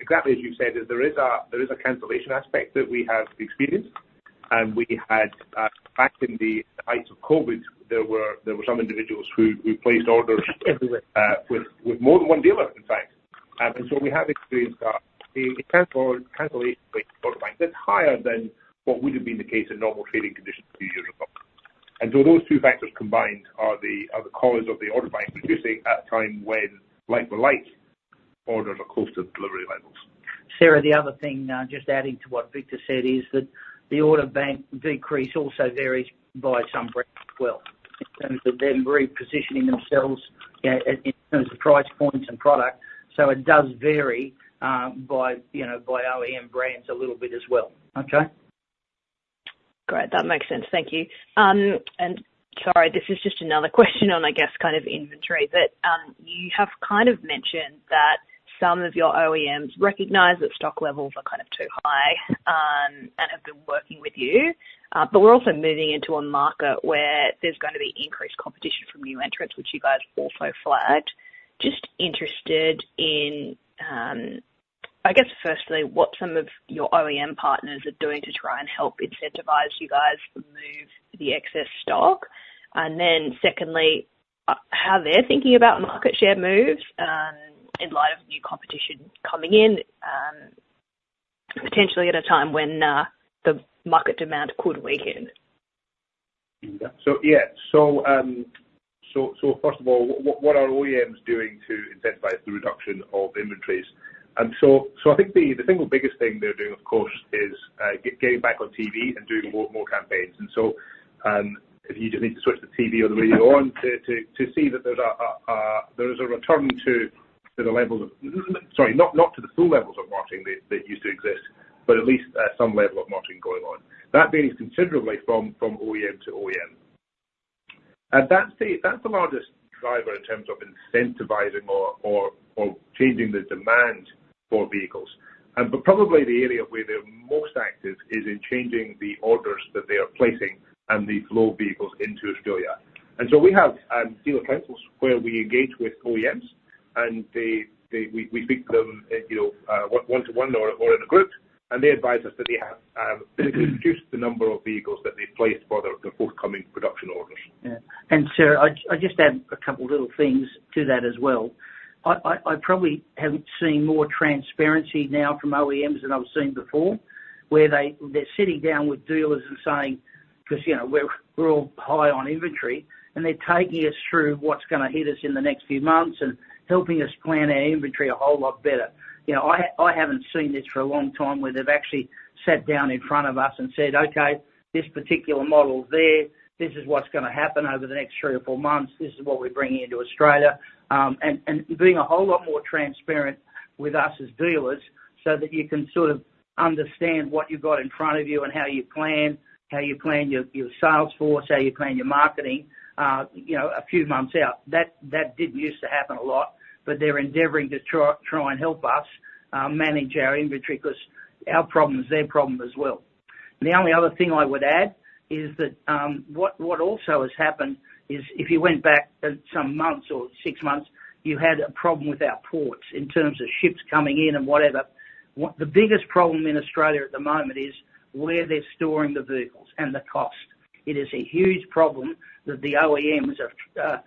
exactly as you said, there is a cancellation aspect that we have experienced, and we had back in the heights of COVID, there were some individuals who placed orders with more than one dealer in fact, and so we have experienced a cancellation with order bank that's higher than what would have been the case in normal trading conditions two years ago. And so those two factors combined are the cause of the order bank reducing at a time when like for like orders are close to delivery levels. Sarah, the other thing, just adding to what Victor said, is that the order bank decrease also varies by some brands as well. And so they're repositioning themselves in terms of price points and product, so it does vary by, you know, by OEM brands a little bit as well. Okay? Great, that makes sense. Thank you. And sorry, this is just another question on, I guess, kind of inventory, but you have kind of mentioned that some of your OEMs recognize that stock levels are kind of too high and have been working with you. But we're also moving into a market where there's gonna be increased competition from new entrants, which you guys also flagged. Just interested in, I guess firstly, what some of your OEM partners are doing to try and help incentivize you guys to move the excess stock. And then secondly, how they're thinking about market share moves in light of new competition coming in, potentially at a time when the market demand could weaken. So yeah, first of all, what are OEMs doing to incentivize the reduction of inventories? And I think the single biggest thing they're doing, of course, is getting back on TV and doing more campaigns. And if you just need to switch the TV on the way you go on, to see that there's a return to the levels of... Sorry, not to the full levels of marketing that used to exist, but at least some level of marketing going on. That varies considerably from OEM to OEM. At that stage, that's the largest driver in terms of incentivizing or changing the demand for vehicles. But probably the area where they're most active is in changing the orders that they are placing and the flow of vehicles into Australia, and so we have dealer councils, where we engage with OEMs, and they, we speak to them, you know, one to one or in a group, and they advise us that they have reduced the number of vehicles that they've placed for the forthcoming production orders. Yeah, and Sarah, I just add a couple little things to that as well. I probably have seen more transparency now from OEMs than I've seen before, where they're sitting down with dealers and saying, "Because, you know, we're all high on inventory," and they're taking us through what's gonna hit us in the next few months and helping us plan our inventory a whole lot better. You know, I haven't seen this for a long time, where they've actually sat down in front of us and said, "Okay, this particular model there, this is what's gonna happen over the next three or four months. This is what we're bringing into Australia." And being a whole lot more transparent with us as dealers, so that you can sort of understand what you've got in front of you and how you plan your sales force, how you plan your marketing, you know, a few months out. That didn't use to happen a lot, but they're endeavoring to try and help us manage our inventory, 'cause our problem is their problem as well. The only other thing I would add is that what also has happened is, if you went back some months or six months, you had a problem with our ports, in terms of ships coming in and whatever. The biggest problem in Australia at the moment is where they're storing the vehicles, and the cost. It is a huge problem that the OEMs are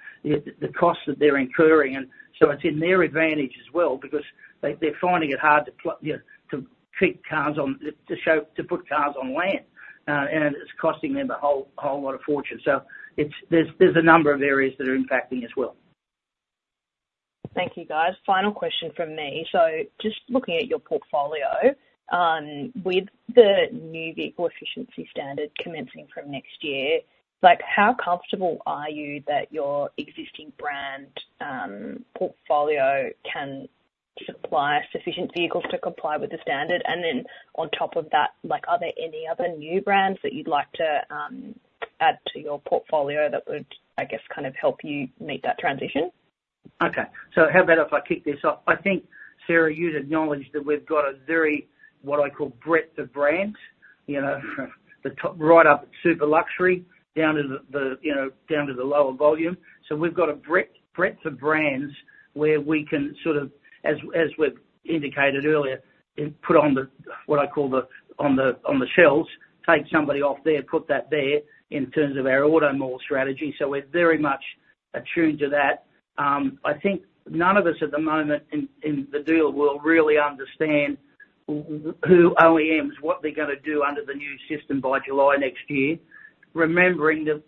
the costs that they're incurring, and so it's in their advantage as well, because they, they're finding it hard to you know, to keep cars on, to show, to put cars on land. And it's costing them a whole lot of fortune. So it's... There's a number of areas that are impacting as well. Thank you, guys. Final question from me. So just looking at your portfolio, with the new vehicle efficiency standard commencing from next year, like, how comfortable are you that your existing brand portfolio can supply sufficient vehicles to comply with the standard? And then on top of that, like, are there any other new brands that you'd like to, add to your portfolio that would, I guess, kind of help you make that transition? Okay. So how about if I kick this off? I think, Sarah, you'd acknowledge that we've got a very, what I call breadth of brands, you know, the top right up, super luxury, down to the, you know, down to the lower volume. So we've got a breadth of brands, where we can sort of, as we've indicated earlier, put on the, what I call the, on the shelves, take somebody off there, put that there, in terms of our Auto Mall strategy. So we're very much attuned to that. I think none of us at the moment, in the dealer world, really understand who OEMs, what they're gonna do under the new system by July next year. Remembering that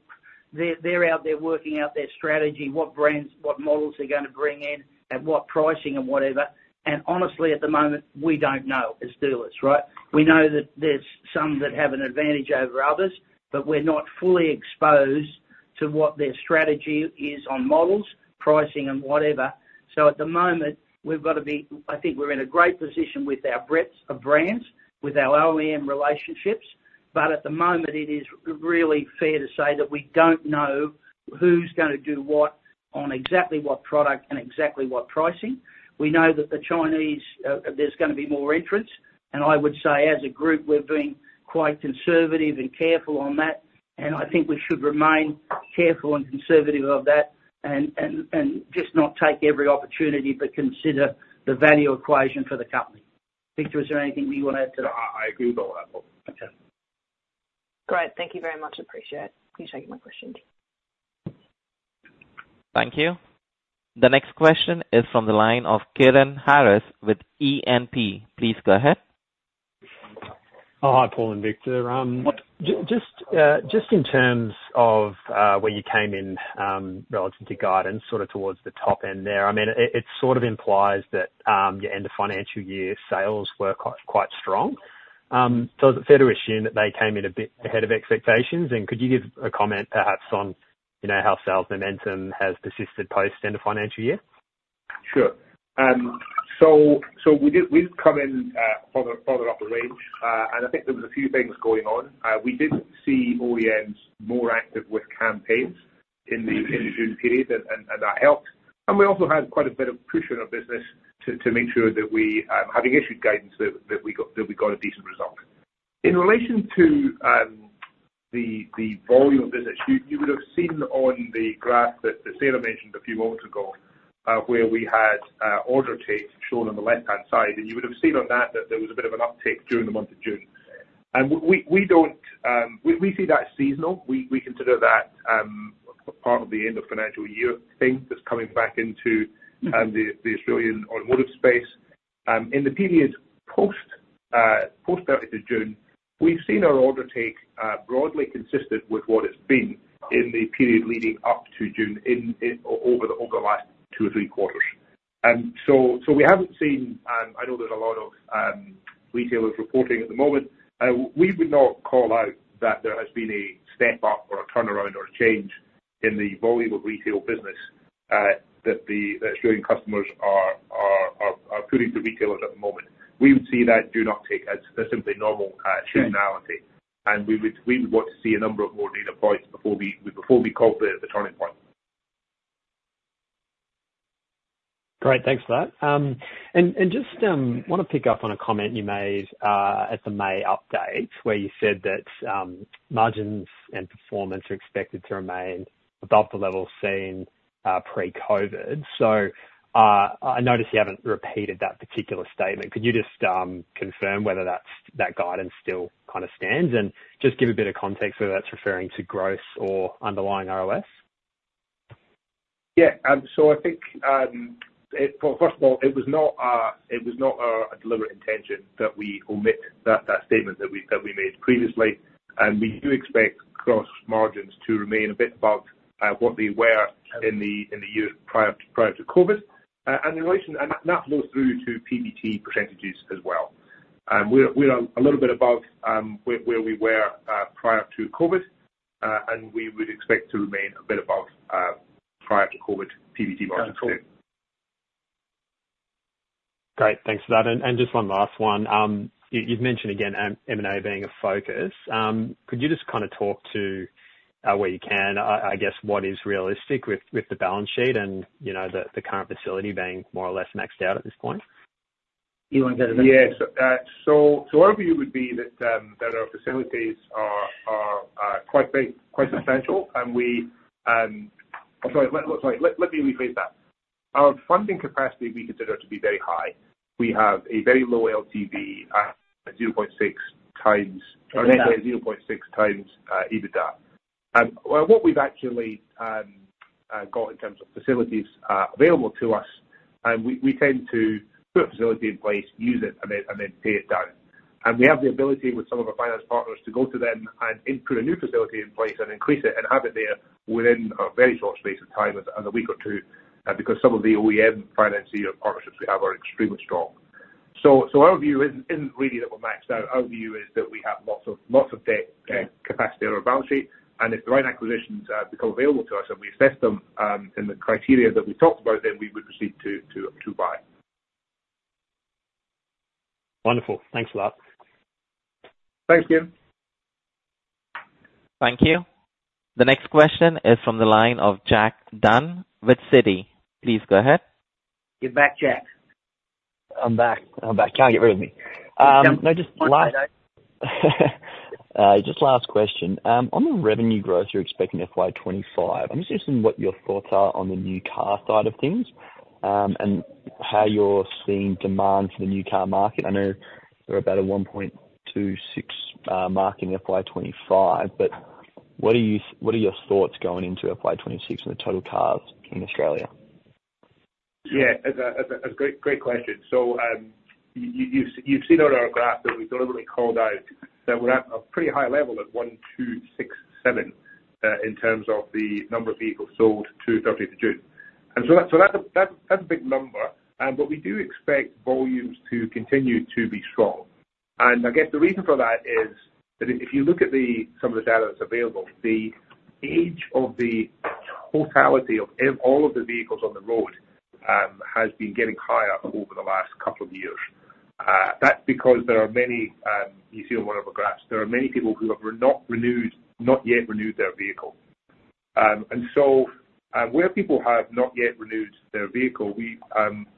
they're out there working out their strategy, what brands, what models they're gonna bring in, at what pricing and whatever, and honestly, at the moment, we don't know as dealers, right? We know that there's some that have an advantage over others, but we're not fully exposed to what their strategy is on models, pricing and whatever. So at the moment, we've got to be. I think we're in a great position with our breadth of brands, with our OEM relationships, but at the moment, it is really fair to say that we don't know who's gonna do what, on exactly what product, and exactly what pricing. We know that the Chinese, there's gonna be more entrants, and I would say, as a group, we're being quite conservative and careful on that.... And I think we should remain careful and conservative of that, and just not take every opportunity, but consider the value equation for the company. Victor, is there anything you want to add to that? No, I agree with all that, Paul. Okay. Great. Thank you very much. Appreciate it. You can take my questions. Thank you. The next question is from the line of Kieran Harris with E&P. Please go ahead. Oh, hi, Paul and Victor. Just in terms of where you came in, relative to guidance, sort of towards the top end there, I mean, it sort of implies that your end of financial year sales were quite, quite strong. So is it fair to assume that they came in a bit ahead of expectations? And could you give a comment perhaps on, you know, how sales momentum has persisted post end of financial year? Sure. So we did come in further up the range. And I think there was a few things going on. We did see OEMs more active with campaigns in the June period, and that helped. And we also had quite a bit of push in our business to make sure that we, having issued guidance, that we got a decent result. In relation to the volume of business, you would have seen on the graph that Sarah mentioned a few moments ago, where we had order takes shown on the left-hand side, and you would have seen on that that there was a bit of an uptake during the month of June. And we don't see that seasonal. We consider that part of the end of financial year thing that's coming back into the Australian automotive space. In the period post 30th June, we've seen our order take-up broadly consistent with what it's been in the period leading up to June, over the last two or three quarters. So we haven't seen... I know there's a lot of retailers reporting at the moment. We would not call out that there has been a step up or a turnaround or a change in the volume of retail business that the Australian customers are putting to retailers at the moment. We would see that order take-up as simply normal seasonality. Sure. We would want to see a number of more data points before we call that the turning point. Great. Thanks for that, and just want to pick up on a comment you made at the May update, where you said that margins and performance are expected to remain above the level seen pre-COVID, so I notice you haven't repeated that particular statement. Could you just confirm whether that's that guidance still kind of stands, and just give a bit of context, whether that's referring to gross or underlying ROS. Yeah. So I think, well, first of all, it was not our, it was not our deliberate intention that we omit that, that statement that we, that we made previously. And we do expect gross margins to remain a bit above what they were in the, in the year prior to, prior to COVID. And in relation, and that flows through to PBT percentages as well. We're, we're a little bit above where, where we were prior to COVID, and we would expect to remain a bit above prior to COVID PBT margins. Great. Thanks for that. And just one last one. You've mentioned again, M&A being a focus. Could you just kind of talk to where you can, I guess, what is realistic with the balance sheet and, you know, the current facility being more or less maxed out at this point? You want to go to that? Yeah. So our view would be that our facilities are quite big, quite substantial, and we... I'm sorry, let me rephrase that. Our funding capacity we consider to be very high. We have a very low LTV, 0.6x. 0.6x EBITDA. Well, what we've actually got in terms of facilities available to us, and we tend to put facility in place, use it, and then pay it down. And we have the ability with some of our finance partners to go to them and input a new facility in place, and increase it, and have it there within a very short space of time, as a week or two, because some of the OEM financing partnerships we have are extremely strong. So our view isn't really that we're maxed out. Our view is that we have lots of debt capacity on our balance sheet, and if the right acquisitions become available to us and we assess them in the criteria that we talked about, then we would proceed to buy. Wonderful. Thanks a lot. Thank you. Thank you. The next question is from the line of Jack Dunn with Citi. Please go ahead. You're back, Jack. I'm back. I'm back. Can't get rid of me. No, just last question. On the revenue growth you're expecting FY 2025, I'm just interested in what your thoughts are on the new car side of things, and how you're seeing demand for the new car market. I know we're about a 1.26 mark in FY 2025, but what are your thoughts going into FY 2026 on the total cars in Australia? Yeah, that's a great question. So you've seen on our graph that we deliberately called out that we're at a pretty high level of 1,267 in terms of the number of vehicles sold to 30th of June. And so that's a big number, but we do expect volumes to continue to be strong. And I guess the reason for that is that if you look at some of the data that's available, the age of all of the vehicles on the road has been getting higher over the last couple of years. That's because there are many people who have not yet renewed their vehicle.... So, where people have not yet renewed their vehicle,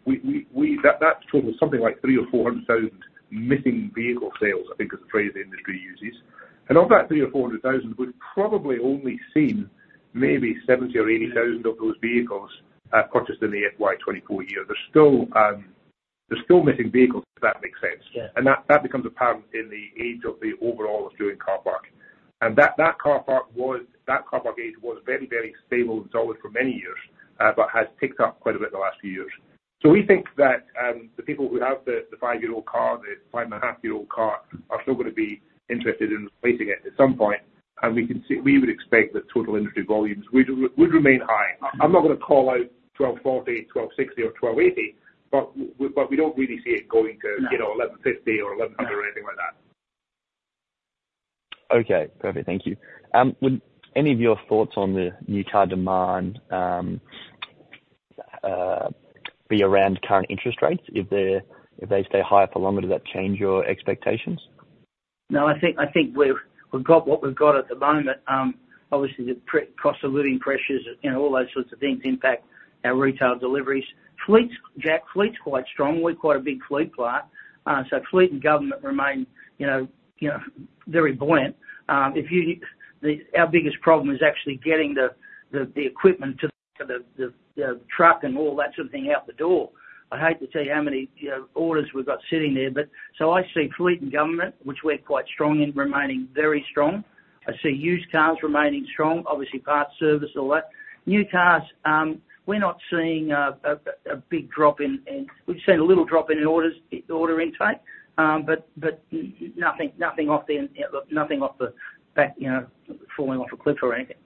that's total something like 300,000 or 400,000 missing vehicle sales, I think is the phrase the industry uses. And of that 300,000 or 400,000, we've probably only seen maybe 70,000 or 80,000 of those vehicles purchased in the FY 2024 year. There's still missing vehicles, if that makes sense. Yeah. That becomes apparent in the age of the overall Australian car park. That car park age was very, very stable and solid for many years, but has ticked up quite a bit in the last few years. So we think that the people who have the five-year-old car, the 5.5 year-old car, are still gonna be interested in replacing it at some point, and we can see - we would expect that total industry volumes would remain high. I'm not gonna call out 1240, 1260, or 1280, but we don't really see it going to- No. You know, 1,150 or 1,100 or anything like that. Okay, perfect. Thank you. Would any of your thoughts on the new car demand be around current interest rates? If they stay higher for longer, does that change your expectations? No, I think we've got what we've got at the moment. Obviously, the cost of living pressures and, you know, all those sorts of things impact our retail deliveries. Fleets, Jack, fleet's quite strong. We're quite a big fleet player. So fleet and government remain, you know, very buoyant. Our biggest problem is actually getting the equipment to the truck and all that sort of thing out the door. I'd hate to tell you how many, you know, orders we've got sitting there. But so I see fleet and government, which we're quite strong in, remaining very strong. I see used cars remaining strong, obviously parts, service, all that. New cars, we're not seeing a big drop in... We've seen a little drop in orders, order intake, but nothing off the back, you know, falling off a cliff or anything.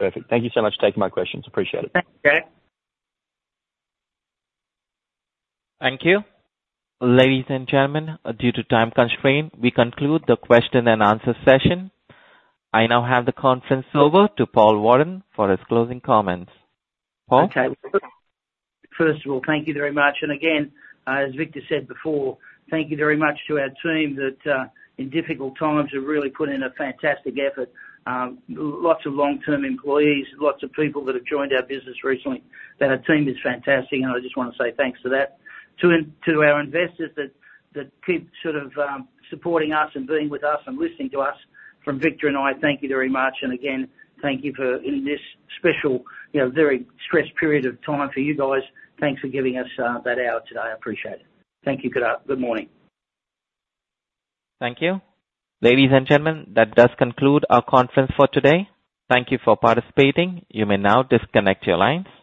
Perfect. Thank you so much for taking my questions. Appreciate it. Thanks, Jack. Thank you. Ladies and gentlemen, due to time constraint, we conclude the question and answer session. I now hand the conference over to Paul Warren for his closing comments. Paul? Okay. First of all, thank you very much. And again, as Victor said before, thank you very much to our team that, in difficult times, have really put in a fantastic effort. Lots of long-term employees, lots of people that have joined our business recently, but our team is fantastic, and I just wanna say thanks to that. To our investors that keep sort of supporting us and being with us and listening to us, from Victor and I, thank you very much. And again, thank you for in this special, you know, very stressed period of time for you guys, thanks for giving us that hour today. I appreciate it. Thank you. Good morning. Thank you. Ladies and gentlemen, that does conclude our conference for today. Thank you for participating. You may now disconnect your lines.